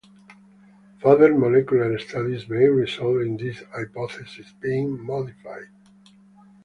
Further molecular studies may result in this hypothesis being modified.